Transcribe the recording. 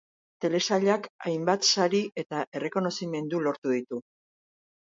Telesailak hainbat sari eta errekonozimendu lortu ditu.